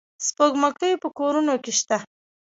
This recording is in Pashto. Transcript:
سپوږمکۍ په کورونو کې شته.